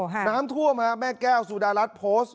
น้ำท่วมฮะแม่แก้วสุดารัฐโพสต์